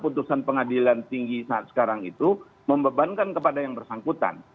apa yang diperhatikan pengadilan pengadilan tinggi saat sekarang itu membebankan kepada yang bersangkutan